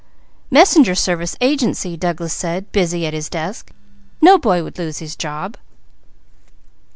"Messenger Service Agency," Douglas said, busy at his desk. "No boy would lose his job."